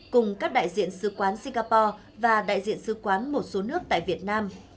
cùng các đại diện sứ quán singapore và đại diện sư quán một số nước tại việt nam